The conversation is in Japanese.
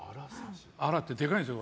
アラってでかいんですよ。